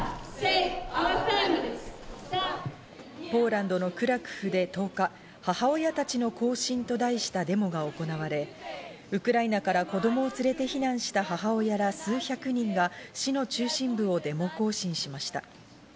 ポーランドのクラクフで１０日、母親たちの行進と題したデモが行われ、ウクライナから子供を連れて避難した母親ら数百人が市の中心部をデモ行進しました。